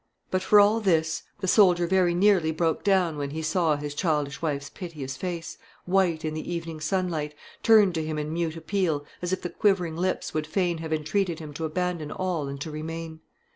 But for all this the soldier very nearly broke down when he saw his childish wife's piteous face, white in the evening sunlight, turned to him in mute appeal, as if the quivering lips would fain have entreated him to abandon all and to remain.